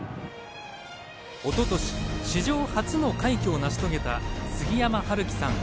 おととし史上初の快挙を成し遂げた杉山晴紀さん